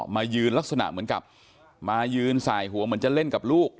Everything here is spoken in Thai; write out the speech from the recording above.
มายืนลักษณะเหมือนกับมายืนสายหัวเหมือนจะเล่นกับลูก